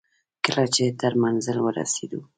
کله چې تر منزل ورسېدو.